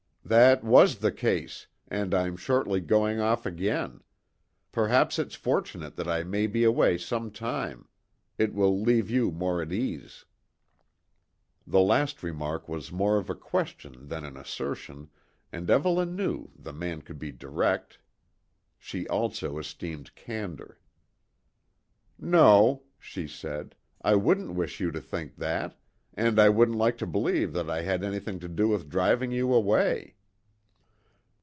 "That was the case, and I'm shortly going off again. Perhaps it's fortunate that I may be away some time. It will leave you more at ease." The last remark was more of a question than an assertion, and Evelyn knew the man could be direct. She also esteemed candour. "No," she said; "I wouldn't wish you to think that and I wouldn't like to believe that I had anything to do with driving you away."